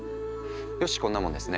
よしこんなもんですね。